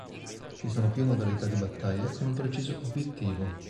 Ci sono più modalità di battaglia con un preciso obbiettivo.